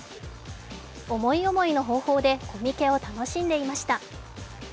思い思いの方法でコミケを楽しんでいました。